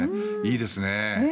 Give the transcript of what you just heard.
いいですね。